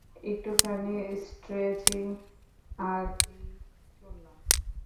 একটুখানি স্ট্রেচিং আর এই চললাম।